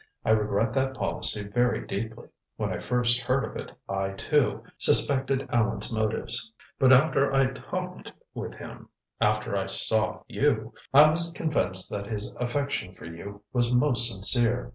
"I regret that policy very deeply. When I first heard of it I, too, suspected Allan's motives. But after I talked with him after I saw you I was convinced that his affection for you was most sincere.